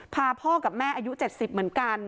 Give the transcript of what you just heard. พาพ่อกับแม่อายุ๗๐เหมือนกัน